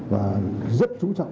và rất trú trọng